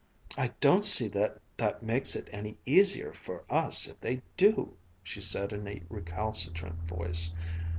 "I don't see that that makes it any easier for us if they do!" she said in a recalcitrant voice.